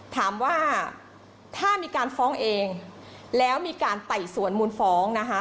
ถามว่าถ้ามีการฟ้องเองแล้วมีการไต่สวนมูลฟ้องนะคะ